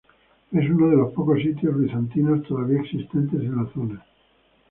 Es uno de los pocos sitios bizantinos todavía existentes en la zona.